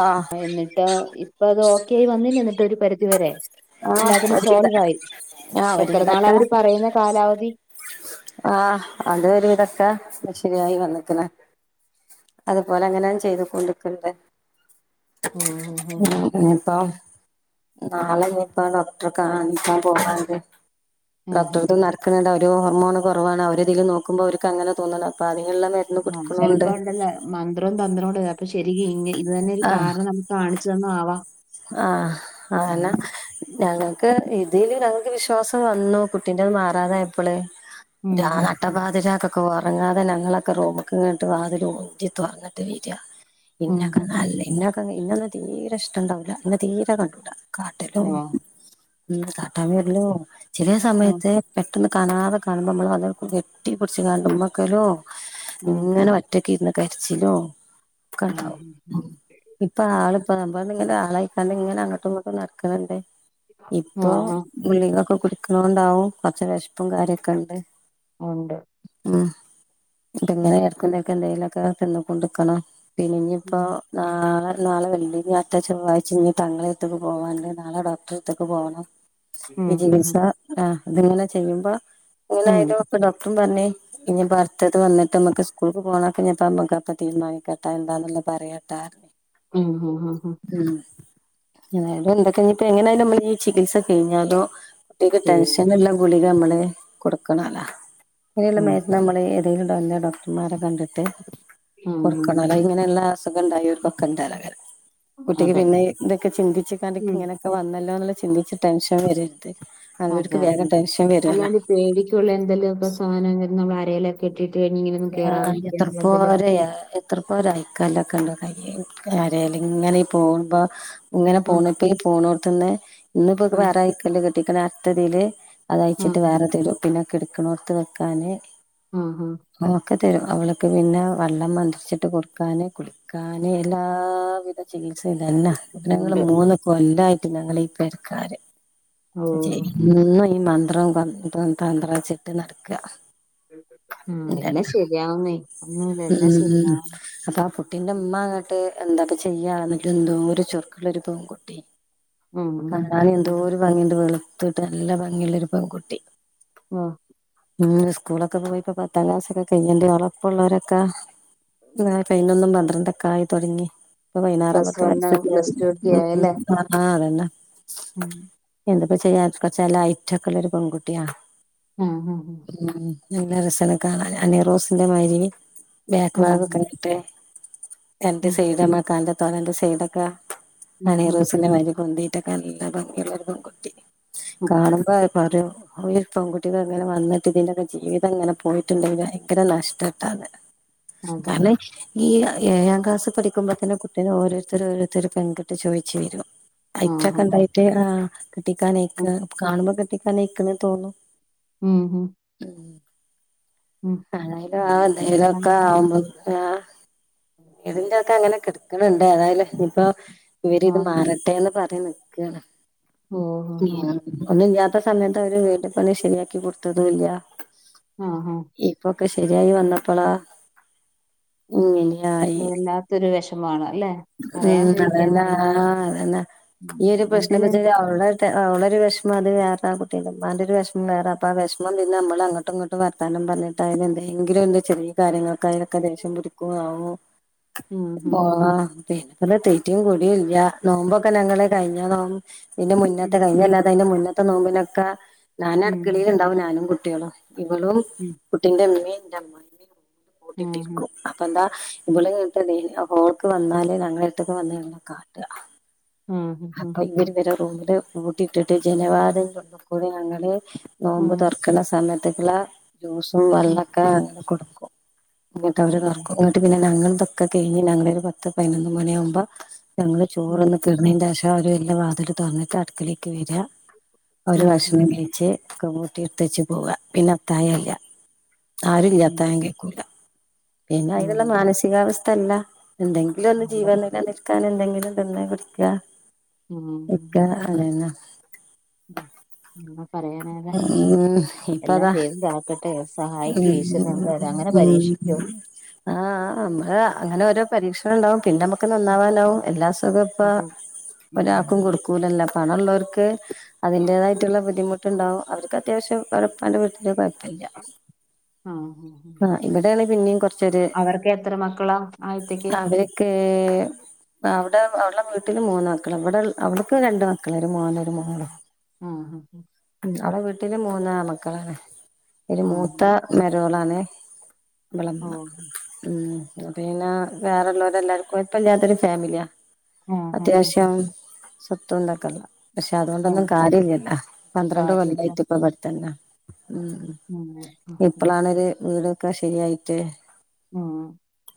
ആഹ് അ എന്നിട്ട് ഇപ്പ അത് ഓക്കായി വന്നീന് ന്നിട്ടൊരു പരിധി വരെ ആഹ് എല്ലാത്തിനും ഒരുവിധ സോൾവായി ആഹ് എത്ര നാള അവര് പറയുന്ന കാലാവധി ആ അത് ഒരുവിതൊക്കെ ശ രിയായി വന്ന്ക്ക്ണ് അതുപോലെങ്ങനെ ചെയ്ത് കൊണ്ട്ക്ക് ണ്ട് [unintelligible] പ്പ നളെനിപ്പാ ഡോക്ടറെ കാണിക്കാൻ പോകാണ്ട് ഡോക്ടറത്ക് നടക്ക്ണ് ണ്ട് ഒരു ഹോർമോണ് കൊറവാണ് അവരെതീല് നോക്കുമ്പോ ഓർക്കങ്ങനെ തോന്ന്ണപ്പ ആ ചെലപ്പോണ്ടല്ലൊ മന്ത്രവും തന്ത്രംണ്ട് അപ്പൊ ശെരി ഇ ഇങ്ങനെ അത് തന്നെ ഒരു കാരണം നമുക്ക് കാണിച്ചന്ന ആവാം ആ ആന ഉം. ഞങ്ങ ഇതില് ഞങ്ങക്ക് വിശ്വാസം വന്നു കുട്ടീൻ്റത് മാറാതായപ്പള് ഉം ര ഹും. നട്ടപാതിരാക്ക് ക്കെ ഉറങ്ങാതെ ഞങ്ങളൊക്കെ റൂമ്ക്ക് ങ്ങ്ട്ട് വാതില് ഉന്തി തൊറന്നിട്ട് വരാ ഉം ഇന്നൊക്കെ ഹും ഹും. നല്ല ഇന്നൊക്കെ ഇന്നൊന്നും തീരെ ഇഷ്ടണ്ടാവൂലാ ഇന്നെ തീരെ കണ്ടൂട ഓ കാട്ടലും ന്നെകാട്ടാവെര്ലും ചെലേ ആ സമയത്ത് പെട്ടെന്ന് കാണാതെ കാണുമ്പോ മ്മളെവന്ന് കെട്ടിപ്പിടിച്ച് മ്മക്കലും ആ ഇങ്ങനെ വറ്റ ന്ന് കര്ച്ചിലുംക്കെണ്ടാവും മ് ഇപ്പൊ ആള്പ്പൊ ബ്ട്ന്ന് ങ്ങനെ ആളായിട്ടാണ്ട്ങ്ങനെ അങ്ങോട്ട്ങ്ങോട്ടും നടക്ക്ണ് ണ്ട് ആ ഇപ്പൊ ആ ആ ഗു ളികൊക്കെ കുടച്ച് വ [unintelligible] ണ്ടാവും പക്ഷേ വെശപ്പും കാര്യക്കെണ്ട് ഉണ്ട് ഉം ഉം. ഇടക്കും തലക്കും എന്തേലൊക്കെതിന്ന് കൊഡി രിക്കണം പിന്നിപ്പോ നാളെ നാളെ വെള്ളി അട്തെച്ചൊവ്വാ ചെനി തങ്കളെടുത്തേക്ക് പോവാണ്ട് നാളെ ഡോക്ടർത്തേക്ക് പോണം ഉം ഈ ഉം ചികിത്സ ഉം ആ ഇത്ങ്ങനെ ചെയ്യുമ്പൊ ഉം ഇങ്ങനെയാലുംപ്പൊ ഡോക്ട്റും പറഞ്ഞ് ഇനി ഭർത്തത്ത് വന്നിട്ട്മ്മക്ക് സ്കൂൾക്ക് പോണാകെനിപ്പ അമ്മുക്കക്കെ തീരുമാനിക്കട്ടെ എന്താന്നുള്ളത് പറയാട് [unintelligible] മ് ഹ് ഹ് ഹ് എതായലും എന്തൊക്കെഞ്ഞിപ്പ എങ്ങനെയാലും നമ്മളീ ചികിത്സ കഴിഞ്ഞാലോ കുട്ടിക്ക് ഉം ടെൻഷന്ള്ള ഗുളികമ്മള് കൊടുക്കണല്ല ഇങ്ങനെയുള്ള ഉം മരു നമ്മള് ഇതീലുണ്ടാവുന്ന ഡോക്ടർമാരെ കണ്ടിട്ട് ഉം ഹും ഹും. കൊടുക്കണോലോ ഇങ്ങനെയുള്ള അസുഖണ്ടയോൾക്ക് പക്ക കുട്ടിക്ക് അതെ പിന്നെ ഇതൊക്കെ ചിന്തിച്ചണ്ട ഉം ഇങ്ങനൊക്കെ വന്ന- അല്ല ചിന്തിച്ച് ടെൻഷൻ വര. അതെ അതെ അതെ അല്ലാണ്ട് പേടിക്കുള്ള എന്തെലുമൊക്കെ സാധനം നമ്മൾ അരയിലൊക്കെ ഇട്ടി- ആ എത്ര പോരെയ എത്ര പോര ആയിക്കല്ലക്കല്ല. അയ്യ കരല്ല ഇങ്ങനെ പോകുമ്പോ ഇങ്ങനെ ആ പോണപ്പ പോണോടുത്തന്ന്. ഇന്ന് ഇപ്പോ ആ വേറെ അയക്കല്ലോ കിട്ടിക്ക അർഥതിൽ അത് ആ അയച്ചിട്ട് വേറെ തരും പിന്നെ- കിടക്കണോർത്ത് വെക്കാൻ. ആഹ ഹഹ നക്കെ തരും അവൾക്ക് പിന്നെ വെള്ളം മന്ത്രിച്ചിട്ട് കൊടുക്കാന് കുളിക്കാന് എല്ലാ- ധ ചികിത്സ ഇ തന്നെ ഞങ്ങള്ൾ ഉണ്ട് മൂന്നൊക്കെ എല്ലായിട്ട് ഞങ്ങളി പെരക്കാര്. ഓ ഓ, ഓ. ഈ മന്ത്രം കൊ തന്ത്രം വെച്ചിട്ട് നടക്ക. മ് ആ എല്ലാം ശരിയാവുന്നേ ഒന്നുംല്ല ഉം എല്ലാം ഉം ഉം ഉം ശരിയാവന്ന്. അപ്പൊ ആ കുട്ടീന്റെ ഉമ്മ അങ്ങട്ട് എന്താപ്പ ചെയ്യാ ന്നട്ട എന്തോരു ചുറുക്കുള്ളൊ പെൺകുട്ടി യെനി. മ് മ് ഭംഗിട്ട് വളുത്തിട്ട് നല്ല ഭംഗിയുള്ളരു പെൺകുട്ടി. ആഹ് ഉം സ്കൂളൊക്കെ പോയിപ്പോ പത്താം ക്ലാസ്സൊക്കെ കഴഞ്ഞണ്ട ഒളപ്പമുള്ളവരൊക്കെ- കനൊന്നും പന്ത്രണ്ടക്ക ആയി തുടങ്ങി. വൈനാറാവു പ്ലസ് വൺ പ്ലസ് ടു പൊത്ത് [unintelligible] ആ അതന്നെ. മ് എന്തപ്പ ചെയ്യാ കുറച്ച ലൈറ്റൊക്കെുള്ളള്ള ഒരു പെൺകുട്ടിയാ. ആഹ ഹഹ ഹ ഉം നല്ല രസകാണാ അനീറോസിന്റെ മാതിരി ബാക്ക് ആ, ബാഗ ഒക്കെിട്ടെ. എന്റെ ഉം, സൈഡ മ കണ്ടത്തോള എന്റെ സൈഡൊക്കെ ഉം, ഉം, ആീറോസിന്റെ മരി പൊന്തി - മറ്റക്കെ നല്ല ഭംഗിയുള്ള ഒരു പെൺകുട്ടി ഉം. കാണുമ്പോ- പറയ ഒരു പൺകുട്ടികൾങ്ങനെ വിട്ട് ഇതിറെൊക്കെ ജീവിതം ഇങ്ങനെ പോയിട്ടുണ്ടെങ്കിൽ ഭയങ്കര നഷ്ടട്ടാ. അതെ കാരണ ഈ ഏഴാം ക്ലാസ്സിൽ പഠിക്കുമ്പോ തന്നെ കുട്ടീെ ഓരോരുത്തർ ഓരോരുത്തർ പെകിട്ട് ചോദിച്ചു വരും. ആ ആ അഐച്ചൊക്കെ എണ്ടായിട്ട് ആ കിട്ടിക്കാനേക്ക് ഉം, കാണുമ്പോ കെട്ടിക്കാനേക്കുന്നന്ന് തോന്നു. മ് മ് ആ ആ എന്ത് നേരോക്കെ ചെയ്യണമെന്ന് അറിയാം. ആവുമ്പോ ആ - ഇതിന്റെ ഒക്കെ അങ്ങനെ കിടുക്കണണ്ട് അതായാലും ഇയിപ്പോൊ ഇവര് ആ ഇത് മാറട്ടെ എന്ന് പറയുന്നു. ക്കാണ് ഓ ഓ ഓ. [unintelligible] പണില്ല ഇത്ര സമയത്ത് അവര് വീട് പണി ശരിയാക്കി കൊടുത്തതുല്ല. ആ ആ ഇപ്പൊക്കെ ശരിയായി വന്നപ്പോളാ ഇങ്ങനീ ആയി വല്ലാത്തൊരു വിഷമാണ് അല്ലെ മ് പറയാണ്ടിരിക്കാൻ അതന്നാ വയ്യ ആ അതന്നെ ഉം ഈ ഒരു പ്രശ്ന എന്തേലും പച്ചത് അവടെ. അവളൊരു വിഷമം അത് വേറെ ആ കുട്ടീ്മാന്റെറെ വിഷമം വേറെ അപ്പൊ ആ വിഷമം പിന്നെ നമ്മൾ അങ്ങോട്ടുംങ്ങട്ട് വർത്താന- പറഞ്ഞിട്ട് അതിന എന്തെങ്കിലും എന്ത ചെറിയ കാര്യങ്ങൾക്ക അതിനൊക്കെ ദേഷം പിടിക്കുക ആവോ? ഉം ആഹ് പിന്നെെ തെറ്റിയും കൂടി ഇല്ല നോമ്പൊക്കെ ഞങ്ങള് കഴിഞ്ഞ നോ- ഇതിന്റെ മുന്നേത്തെ ഉം കഴിഞ്ഞ അല്ലാത അതിന്റെ മുന്നത്തെ നോമ്പിനൊക്കെ ഞാനൻ ഉം ഉം അടക്കിളിൽ ഉണ്ടാവും ഞാനും കുട്ടികളും. ഇവളും ഉം കുട്ടിന്റെ മ്മീം അമ്മായ ആഹ് പോട്ടിട്ടക്ക അപ്പൊന്താ? ഇവിള കേട്ട ഹോൾക്ക് വന്നാലല് ഞങ്ങള ട്ടൊക്ക് വന്ന കാട്ട. ആഹ് ആഹ് അപ്പൊ ഇവര് വരെ റൂമില് കൂട്ടി ഇട്ടിട്ട് ജനവാദം കൊണ്ടപ്പോല ഞങ്ങള- നോമ്പ് ആഹ് തുറക്കണ സമയത്തേക്കുള്ള ജ്യൂസും ആഹ് വെള്ളൊക്കെ കൊടുക്കും. ഇങ്ങോട്ട് ആഹ് അവര്ർക്കും ഇങ്ങോട്ട് പിന്നെ ഞങ്ങൾ പൊക്കെ കഴിഞ്ഞ് ഞങ്ങളരു പത്ത് പതിനൊന്ന് മണിയാവുമ്പോ - ഞങ്ങള് ഉം ചോറൊന്നും തിന്നേന്റെ ശേഷം അവ എല്ലാം വാതിട്ട് തുറന്നിട്ട് അടുക്കയിലേക്ക് വരാ - ഒരു ഉം വർഷം ജഴച്ച് ക കൂട്ടിർത്തച്ച് പോവാ പിന്നെത്തായല്ല. ഉം ഉം ആരല്ലാത്താൻ കേൾക്കൂല പിന്നെ ഇതിനുള്ള ഉം മാനസികാവസ്ഥയല്ല. എന്തെങ്കിലും,, ഒന്ന്, അവിടെ ജീവൻ, നിലനിൽക്കാൻ, എന്തെങ്കിലും, തന്നെ, കുടിക്കാ ഉം ഇക്ക, അതന്ന പറയാനതെ, ഉം എല്ലാം, ഇപ്പതാ ദൈവതാക്കട്ടെ, സഹായിക്ക, ഈശരുന്നു, അ, അങ്ങനെ, പരീക്ഷ ആഹ, നമ്മള്, അങ്ങനെ, ഓരോ, പരീക്ഷ ണ്ടാവും, പിന്നെ, നമുക്ക്, നന്നാവാനാവും, എല്ലാ, അസുഖവും, ഇപ്പം, അതെ ഒരാൾക്കും, ഉം കൊടുക്കൂലല്ലാം പണള്ളോർക്ക്, അതിന്റേതായിട്ടുള്ള, ബുദ്ധിമുട്ടുണ്ടാവും, അവർക്ക്, അത്യാവശ്യം, ലപ്പാ കുഴപ്പില്ല, ആഹ് ആ, ഇവിടെയണ, പിന്നെയും, കൊറച്ചൊരു അവർക്ക് എത്ര മക്കളാ ആദ്യത്തേക്ക് അവയൊക്കെ, അവിടെ, അവവിടെ വീട്ടിൽ, മൂന്ന് മക്കൾ, അവിടെവിടുക്കും, രണ്ട്, മക്കളായി ആഹ, ആ അവിടെ, വീട്ടില്, മൂന്ന്, മക്കളാണ്, ഒരു, ആഹ് മൂത്ത, ആഹ് മരോളാണ് ളമ്മ, ഓഹ് ഉം, പിന്നെ, വേറെള്ളവരെ, എല്ലാർക്കും, കൊഴപ്പല്യ ല്ലാത്തൊരു, ഫാമിലിയാ ആ ആ ആ അത്യാവശ്യം, സ്വത്ം, ഉണ്ടാക്കല്ല, പക്ഷെ, ആ അതുകൊണ്ടൊന്നും, കാര്യല്ലല്ല അ, കാര്യല്ല. കൊല്ലായിട്ട്, ഇപ്പപാട്തന്നയാ, പടുത്തന്നെ, ഉം ഉ, ഇപ്പളാണ്, വീട് ക്കെ, ശരിയായിട്ട് ആഹ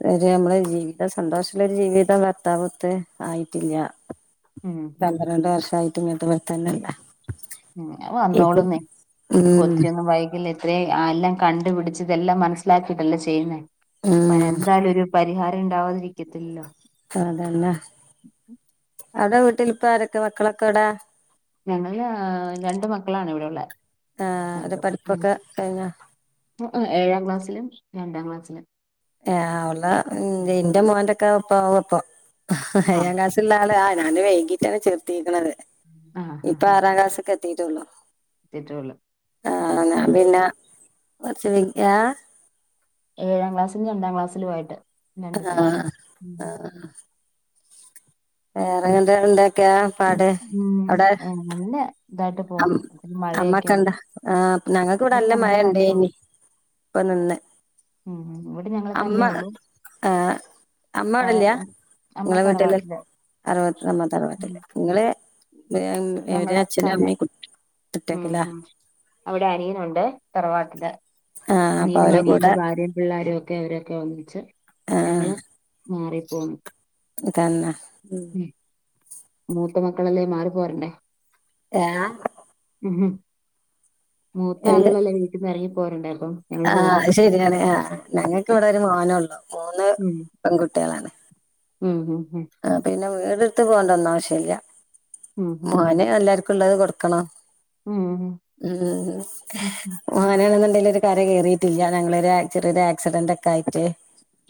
ശര്, നമ്മള്, ജീവിക്ക, സന്തോഷുള്ളൊരു, ജീവിതം, വത്താമത്ത, ആയിട്ടില്ല ഉം ഉം ഉം പന്ത്രണ്ട്, വർഷം, ആയിട്ട്, മട്ട, വർത്തന്നല്ല ഉ, വന്നോളന്നേ, ഇപ്പൊ, ഒത്തിരിയൊന്നും, വൈകല് അതെ ആ എല്ലാം കണ്ടുപിടിച്ചിതെല്ലാം മനസ്സിലാക്കിയിട്ടല്ലേ ചെയ്യുന്നേ ഉം അപ്പതിനന്തായാലൊരു പരിഹാരം ഇണ്ടാവാതിരിക്കത്തില്ലല്ലോ അതന്നെ അവ്ടെ വീട്ടിലിപ്പാരൊക്കെ മക്കളൊക്കെ എവ്ടെ ഞങ്ങള്‌ ഏ രണ്ട് മക്കളാണ് ഇവടുള്ളേ ആഹ് അവരെ ഞങ്ങക്ക് പഠിപ്പൊക്കെ കഴിഞ്ഞോ ഏഴാം ക്ലാസ്സിലും, രണ്ടാം ക്ലാസ്സിലും. ഏ അവള്ടെ ഉം ഇന്റെ മോന്റെക്കെ ഒപ്പാവപ്പം ആ ഏയ്യാം ക്ലാസിള്ള ആള് ആ ഞാനും വൈകിട്ടാണ് ചേർത്തീക്ണത് ആ ഇപ്പൊ ആറാം ക്ലാസ്ക്കെത്തി ട്ടൊള്ളൂ എത്തിട്ടൊള്ളു മ് പിന്നെ മ് [unintelligible] ഏഴാം ക്ലാസിലും രണ്ടാം ക്ലാസ്സിലു ആയിട്ട് ആ രണ്ടു പേര് ഉം ആ വേറെങ്ങട്ട് എന്തെക്കയാ ഉം എന്നെ അം അമ്മ കണ്ടാ ആ ഞങ്ങക്ക് ഇവടെ ഇവിടെ നല്ല ഞങ്ങള് തന്നെ ഉള്ളു മഴണ്ടേനി ഇപ്പം ന്ന്ന്ന് ഉം, ഉം ഇവടിം ഞങ്ങള് തന്നെയൊള്ളൂ ആഹ് അമ്മ അവിടല്യാ നിങ്ങളെ വീട്ടില് തറവാട്ടില് അറു [unintelligible] അമ്മത്തറവാട്ടില് ഉം ഇങ്ങള് [unintelligible] ഇവര് ഞങ്ങള് അച്ഛനും തന്നെ അമ്മിം ഉം, ഉം, അവിടെ, അനിയനുണ്ട് തറവാട്ടില് ആഹ് അപ്പൊ അനിയനും അവരെ അനിയന്റെ കൂടെ ഭാര്യയും പിള്ളാരൊക്കെ അവരൊക്കെ ഒന്നിച്ച് ഞങ്ങള് മാറിപ്പോന്നു അതന്നെ ഉം മൂത്ത മക്കളല്ലേ മാറി പോര്ണ്ടേ ഹാ ഉം മൂത്ത ആളുകളല്ലേ വീട്ടിന്ന് എറങ്ങി പോരണ്ടെ ആ, അയ്ശെരിയാണ് ആഹ ഞങ്ങക്ക് ഇവിടെ ഉം ഒരു മോനൊള്ളു മൂന്ന് ഉം പെൺകുട്ടിളാണ് ഉം, ഹും ആ പിന്നെ വീട്‌ട്ത്ത് പോണ്ടന്നും ആവശ്യല്ല ഉം ഉം മോന് എല്ലാർക്കും. ഇള്ളത്കൊട്ക്കണം ഉം ഉം ഹും ഹും. ഉം [unintelligible] ഒരു കരകേറിട്ടില്യ ഞങ്ങളൊരു ചെറിയൊരു ആക്സിഡന്റ് ഒക്കെ ആയിട്ട്.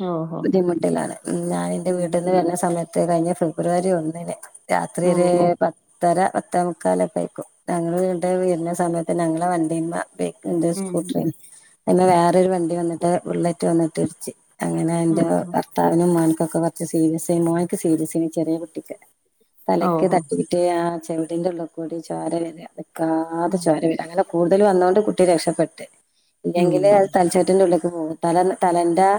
ഓഹോ ബുദ്ധിമുട്ടിലാണ് മ് ഞാനിന്റെ വീട്ടിന്ന് വര്ന്ന സമയത്ത് കഴിഞ്ഞ ഫെബ്രുവരി ഒന്നിന് രാത്രി ഒരു ഓഹോ പത്തര പത്തേമുക്കാല് ഒകൈക്കും ഞങ്ങള് വീടെ വെരുന്ന സമയത്തന്നെ ഞങ്ങളെ വണ്ടിമ്മ എന്റെ ഉം സ്കൂട്ടറേനി അയിമേ വേറൊരു വണ്ടി വന്നിട്ട് ബുള്ളറ്റ് വന്നിട്ട്ട്ച്ച്. അങ്ങനെ ഉം എന്റെറെ ഉം. ഭർത്താവിനും എന്റെ മോന്ക്കൊക്കെ കൊറച്ച് സീര സേനി മോൻക്ക് സീരസേനി ചെറിയ കുട്ടിക്ക്. തലയ്ക്ക് ഓഹോ തട്ടിട്ട് ആ ചെവിടിന്റെ ഉള്ളിക്കൂടി ചോര വെര നിക്കാതെ ഉം ചോര വെര അങ്ങനെ കൂടുതൽ വന്നോണ്ട് കുട്ടി രക്ഷപ്പെട്ട് ഉം ഇല്ലെങ്കില് അത് തലച്ചോറ്റിന്റെ ഉള്ള്ക്ക് പോവും തല തലന്റെ ആ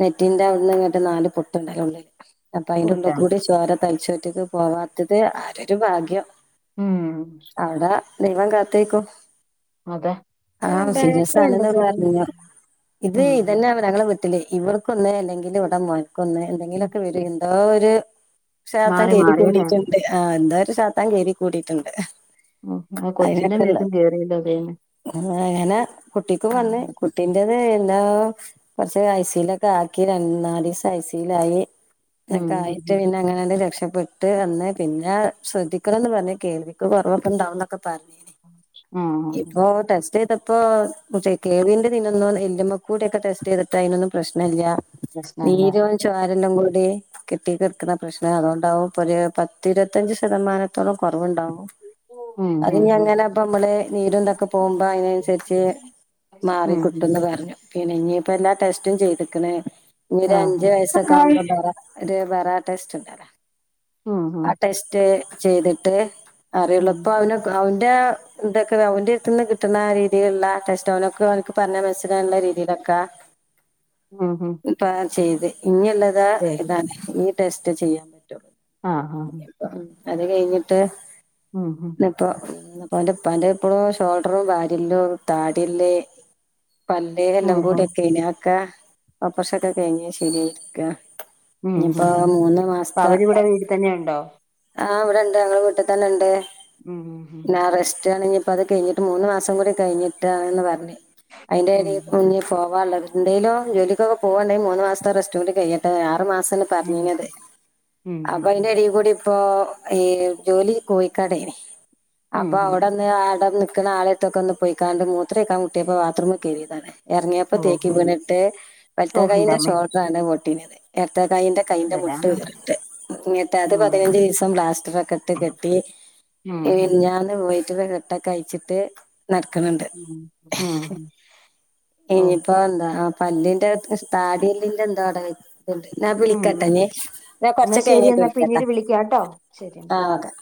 നെറ്റിന്റെ അവിട്ന്ന്ങ്ങട്ട് നാല് പൊട്ടുണ്ടലോ ഉള്ളില് അപ്പൊ ഓ, അയിന്റെ ഇതാണ് ഉള്ളൂകൂടി ചോര തയ്ച്ചോറ്റ്ക്ക് പോവാത്തത് ആരേരു ഭാഗ്യം. ഉം അവിടാ ദൈവംകാത്തേക്കും. അതെ ഏഹ് ആഹ ബാറ്ററി ഉണ്ടോ സീരിയസാണെന്ന് ചെറിയ പറഞ്ഞു ഇത് ഉം ഉം, ഇതന്നെ ഞങ്ങളെ വി ട്ടിൽ ഇവർക്കൊന്ന് അല്ലെങ്കിൽ ഇവിടെ മോൻക്കൊന്ന് ഉം. എന്തെങ്കിലൊക്കെ വരും എന്തോ ഒരു ഇത് ശാത്താൻ മാറി കേരി മാറിയല്ലേ കൂടിയിട്ട്ണ്ട് ആ എന്തൊരു ശാത്താൻ കേരി കൂടിയിട്ടുണ്ട്. ഉം ആ അതിനൊക്കെള്ള കൊച്ചിന്റെമേത്തും കേറിയല്ലോ ദൈവമേ അങ്ങനെ കുട്ടിക്കും വന്ന്കുട്ടി ന്റത് എന്താ കൊറച്ച് ഐസിലൊക്കെ ആക്കി നാലീസം ഐസിലായി. ങ്ങനക്കായിട്ട് ഉം പിന്നങ്ങനാണ്ട് രക്ഷപ്പെട്ട് വിട്ട് വന്ന് പിന്നെ ശ്രദ്ധിക്കണംന്ന് പറഞ്ഞ്ക്ക് കേൾവിക്ക് കൊറവൊക്കെ ഇണ്ടാവുന്നൊക്കെ ഉണ്ടാവുന്നൊക്കെ... പറഞ്ഞിനിം ആഹ് ഇപ്പോ ടെസ്റ്റ് ചെയ്തപ്പോ ഇപ്പൊ കെൾവിന്റെതിനൊന്നും എല്ല്മ്മകൂടൊക്കെ ടെസ്റ്റ് ചെയ്തിട്ട് അതിനൊന്നും പ്രശ്നല്ല. പ്രശ്നല്ല നീര് ചോരെല്ലാം കൂ [unintelligible] കിടക്കുന്ന പ്രശ്നം അതുകൊണ്ടാവും ഇപ്പൊ ഒരു പത്തിരുപത്തഞ്ച് ശതമാനത്തോളം കൊറവുണ്ടാവും. ഉം ഉം ഉം അതിനിങ്ങന ഇപ്പ നമ്മള് നീരന്തൊക്കെ പോകുമ്പോ അയ്നനുസരിച്ച് ഉം ഉം മാറിക്കിട്ടുന്ന് പറഞ്ഞു പിന്നെ ഇനിയിപ്പ എല്ലാ ടെസ്റ്റും ചെയ്തിക്ക്ണ് ഇനിഒരു ആഹ് അഞ്ച് വയസക്കവും ഒരു വേറ ടെസ്റ്റ് ഉണ്ടല്ലോ ഉം ഉം ആ ടെസ്റ്റ് ചെയ്തിട്ട് ഉം അറിയുള്ളുപ്പോ അവനെ അവൻ എ എന്തൊക്കെ ഓന്റെ അടുത്ത് നിന്ന് കിട്ടുന്ന രീതിയിലുള്ള ടെസ്റ്റോനൊക്കെ ഓനിക്ക് എനിക്ക് പറഞാൽ മനസ്സിലാനുള്ള രീതിയിലൊക്കാ. ഹും ഹും. ചെയ്ത് ഇനിള്ളതാ ഇതാണ് ഇനി ടെസ്റ്റ് ചെയ്യാൻ പറ്റൊള്ളൂ ആഹ് അത് കഴിഞ്ഞിട്ട് ഹും ഹും. ഇപ്പൊ ഓന്റെ ഇപ്പാന്റെ ഇപ്പളും ഷോൾഡറും ബാരിയെല്ലും താടി എല്ല് പല്ല് എല്ലാം ഓഹോ കൂടി ഒക്കെയിനു അതൊക്കെ ഓപ്പറേഷൻ ഒക്കെ കഴിഞ് ശരിയായിരിക്കാ. ഉം ഇനിയിപ്പോ ഉം ഉം മൂന്ന് അപ്പൊ മാസത്തെ അവരിവിടെ വീട്ടി തന്നെയുണ്ടോ ആഹ് ഇവിടെണ്ട് ഞങ്ങളെ വീട്ടിൽ തന്നെ ഉണ്ട് ഉം ഉം പിന്നെ റസ്റ്റ് ആണെങ്ക ഇപ്പത് കഴിഞ്ഞിട്ട് മൂന്ന് മാസം കൂടി കഴിഞ്ഞിട്ടാന്ന് പറഞ് ഉം അതിന്റെടി ഉം ഇഞ്ഞി ഫോവാനുള്ള എന്തേലും ജോലിക്കൊക്കെ പോകുണ്ടെങ്കിൽ മൂന്ന് മാസത്തെ റെസ്റ്റ് കൂടി കഴിയട്ടെആറ് മാസം അങ്ങനത്തെ പറഞ്ഞിനത് ഉം ഉം അപ്പൊ ഉം അതിന്റെടിൽ കൂടി ഇപ്പോ ഈ ജോലി കോഴിക്കാടയ്നിം ഉം അപ്പൊ ഉം അവിടെന്ന് അടെ [unintelligible] ആളത്തൊക്കെ ഒന്ന് പോയിക്കാണ്ട് മൂത്രം ഒഴിക്കാൻ മുട്ടിയപ്പോ ബാത്റൂമിൽ കേറിയതാണ് എറങ്ങിയപ്പ ഓഹോ തേക്കിവീണിട്ട് വലത്തെ ഓഹ് കൈന്റെ ന്റമ്മേ ഷോൾഡറാണ് പൊട്ടീന്നത്. എടത്തെ കയ്യിന്റെ കൈയിന്റെ മുട്ട് വരാനുണ്ട് വേറിട്ട്. ഇന്നിട്ടത് ഉം പതിനഞ്ച് ദിവസം ബ്ലാസ്റ്ററൊക്കെ ഇട്ട് കെട്ടി ഉം ഉം മിനിഞ്ഞാന്ന് പോയി. [unintelligible] കെട്ടൊക്കെഴിച്ചട്ട് നടക്ക്ണണ്ട് ഉം ഉം ഓഹ് ഇനിയിപ്പോ എന്താ. പല്ലിന്റെ താടിയെല്ലിന്റെ എന്താ അവിടെ വച്ച് ണ്ട് ഞാൻ ഉം വിളിക്കട്ടൊ ഇഞ്ഞി ഞാൻ എന്നാ കൊറച്ചൊക്കെ ശരി കഴിഞ്ഞിട്ട് എന്നാ വിളിക്കട്ടെ പിന്നീട് വിളിക്കാട്ടോ ശരി ആ എന്നാ ഓക്കെ